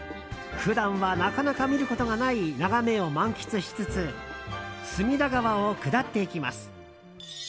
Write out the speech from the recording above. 普段はなかなか見ることがない眺めを満喫しつつ隅田川を下っていきます。